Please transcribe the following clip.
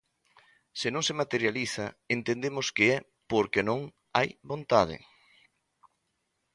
Se non se materializa, entendemos que é porque non hai vontade.